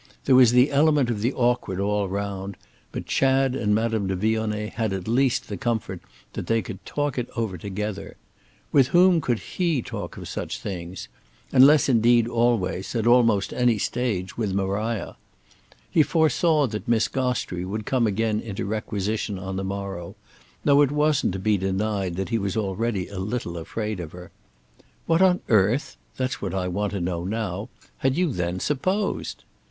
There was the element of the awkward all round, but Chad and Madame de Vionnet had at least the comfort that they could talk it over together. With whom could he talk of such things?—unless indeed always, at almost any stage, with Maria? He foresaw that Miss Gostrey would come again into requisition on the morrow; though it wasn't to be denied that he was already a little afraid of her "What on earth—that's what I want to know now—had you then supposed?"